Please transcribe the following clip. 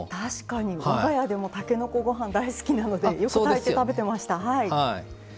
我が家でもたけのこご飯大好きなのでよく炊いて食べてました。